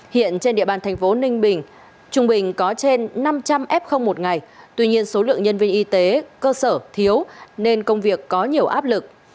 hiện trên địa bàn thành phố ninh bình trung bình có trên năm trăm linh f một ngày tuy nhiên số lượng nhân viên y tế cơ sở thiếu nên công việc có nhiều áp lực